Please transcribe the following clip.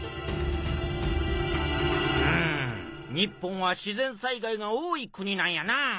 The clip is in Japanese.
うん日本は自然災害が多い国なんやな。